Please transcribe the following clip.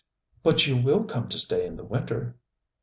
'But you will come to stay in the Winter?'